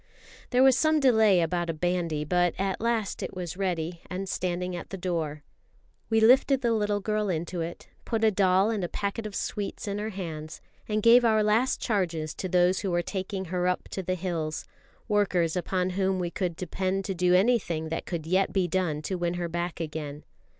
There was some delay about a bandy, but at last it was ready and standing at the door. We lifted the little girl into it, put a doll and a packet of sweets in her hands, and gave our last charges to those who were taking her up to the hills, workers upon whom we could depend to do anything that could yet be done to win her back again.